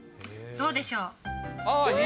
どうでしょう？